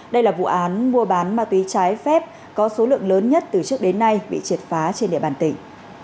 đây là vụ án mua bán ma túy trái phép có số lượng lớn nhất từ trước đến nay bị triệt phá trên địa bàn tỉnh